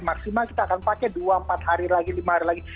maksimal kita akan pakai dua empat hari lagi lima hari lagi